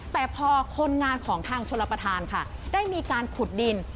แต่พอคนงานของทางชลประธานค่ะได้มีการขุดดิน